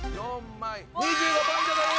２５ポイントです。